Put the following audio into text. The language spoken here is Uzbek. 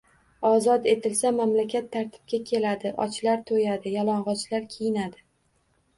Ozod etilsa mamlakat tartibga keladi, ochlar to’yadi, yalang’ochlar kiyinadi.